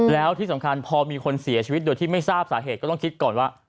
แล้วที่สำคัญพอมีคนเสียชีวิตโดยที่ไม่ทราบสาเหตุก็ต้องคิดก่อนว่า